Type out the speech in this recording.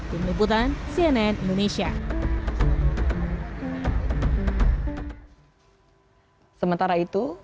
tim liputan cnn indonesia